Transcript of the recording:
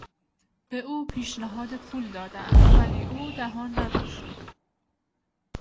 به او پیشنهاد پول دادند ولی او دهان نگشود.